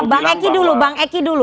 bang eki dulu bang eki dulu